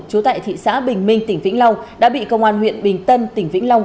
trú tại thị xã bình minh tỉnh vĩnh long đã bị công an huyện bình tân tỉnh vĩnh long